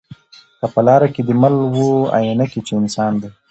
که په لاره کی دي مل وو آیینه کي چي انسان دی